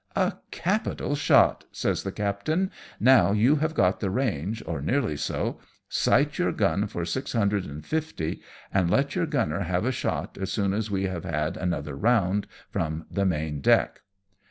" A capital shot," says the captain ;" now you have got the range, or nearly so, sight your gun for six hundred and fifty, and let your gunner have a shot as soon as we have had another round from the main deck."